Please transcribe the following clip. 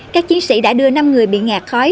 các chiến sĩ đã đưa năm người bị ngạt khói